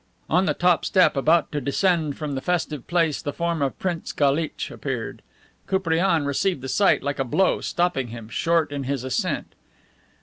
On the top step, about to descend from the festive place, the form of Prince Galitch appeared. Koupriane received the sight like a blow stopping him short in his ascent.